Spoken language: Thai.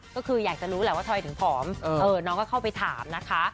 ก็คืออยากจะรู้แหละว่าทำไมถึงผอมน้องก็เข้าไปถามนะคะ